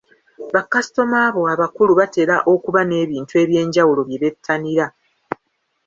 Bakasitoma bo abakulu batera okuba n’ebintu eby’enjawulo bye bettanira.